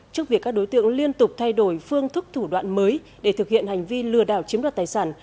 trước việc các đối tượng liên tục thay đổi phương thức thủ đoạn mới để thực hiện hành vi lừa đảo chiếm đoạt tài sản